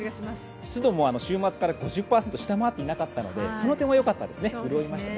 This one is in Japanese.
湿度も週末から５０％を下回っていなかったのでその点はよかったですね、潤いましたね。